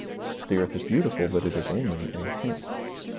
The earth is beautiful but it is only a hint.